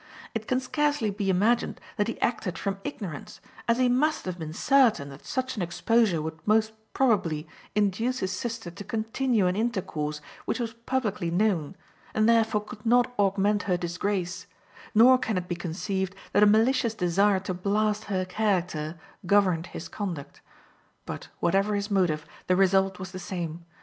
It can scarcely be imagined that he acted from ignorance, as he must have been certain that such an exposure would most probably induce his sister to continue an intercourse which was publicly known, and therefore could not augment her disgrace; nor can it be conceived that a malicious desire to blast her character governed his conduct. But, whatever his motive, the result was the same.